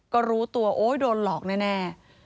ก็รู้ตัวโอ๊ยโดนหลอกแน่